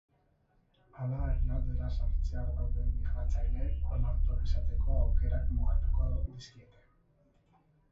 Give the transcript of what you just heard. Hala, herrialdera sartzear dauden migratzaileei onartuak izateko aukerak mugatuko dizkiete.